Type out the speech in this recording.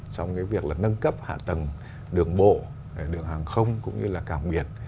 trong việc nâng cấp hạ tầng đường bộ đường hàng không cũng như là cảng biển